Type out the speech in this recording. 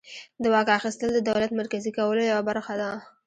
د واک اخیستل د دولت مرکزي کولو یوه برخه وه.